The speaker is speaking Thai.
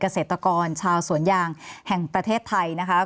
เกษตรกรชาวสวนยางแห่งประเทศไทยนะคะ